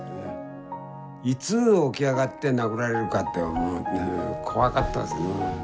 いつ起き上がって殴られるかって思うと怖かったですね。